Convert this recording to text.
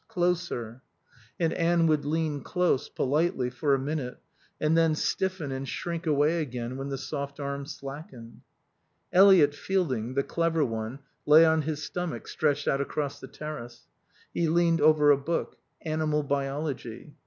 Closer." And Anne would lean close, politely, for a minute, and then stiffen and shrink away again when the soft arm slackened. Eliot Fielding (the clever one) lay on his stomach, stretched out across the terrace. He leaned over a book: Animal Biology.